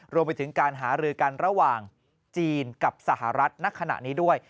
รวมไปถึงการหารือกันระหว่างจีนกับสหรัฐณขณะนี้ด้วย